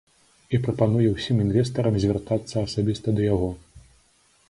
І прапануе ўсім інвестарам звяртацца асабіста да яго.